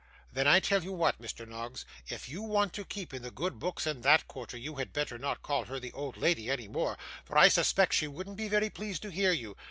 'Then I tell you what, Mr Noggs, if you want to keep in the good books in that quarter, you had better not call her the old lady any more, for I suspect she wouldn't be best pleased to hear you.